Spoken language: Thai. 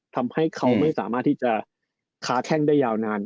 ทำให้เขาไม่สามารถที่จะค้าแข้งได้ยาวนาน